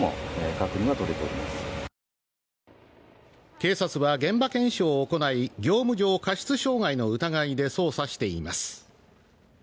警察は現場検証を行い業務上過失傷害の疑いで捜査しています。